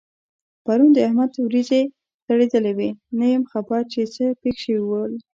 پرون د احمد وريځې ځړېدلې وې؛ نه یم خبر چې څه پېښ شوي ول؟